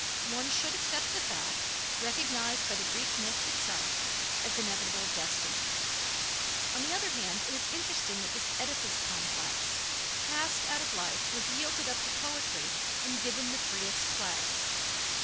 One should accept the fact, recognized by the Greek myth itself, as inevitable destiny. On the other hand, it is interesting that this Oedipus complex, cast out of life, was yielded up to poetry and given the freest play.